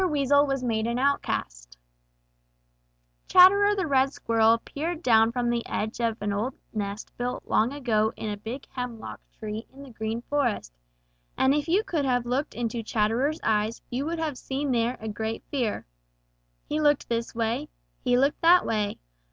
WEASEL WAS MADE AN OUTCAST Chatterer the Red Squirrel peered down from the edge of an old nest built long ago in a big hemlock tree in the Green Forest, and if you could have looked into Chatterer's eyes, you would have seen there a great fear. He looked this way; he looked that way.